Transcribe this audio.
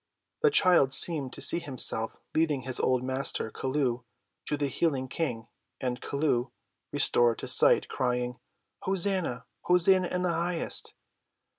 The child seemed to see himself leading his old master, Chelluh, to the healing King, and Chelluh, restored to sight, crying, "Hosanna, hosanna in the highest!"